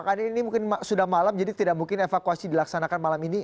karena ini sudah malam jadi tidak mungkin evakuasi dilaksanakan malam ini